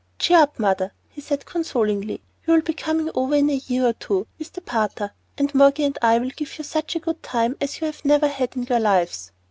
"Cheer up, mother," he said, consolingly. "You'll be coming over in a year or two with the Pater, and Moggy and I will give you such a good time as you never had in your lives.